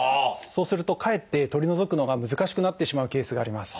そうするとかえって取り除くのが難しくなってしまうケースがあります。